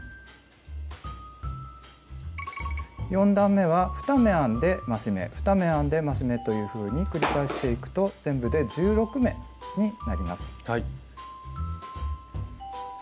４段めは２目編んで増し目２目編んで増し目というふうに繰り返していくと全部で１６目になります。